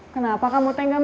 kenapa kamu tenggelam